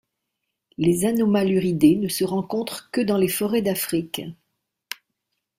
Les Anomaluridés ne se rencontrent que dans les forêts d'Afrique.